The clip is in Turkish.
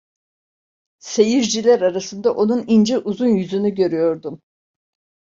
Seyirciler arasında onun ince uzun yüzünü görüyordum.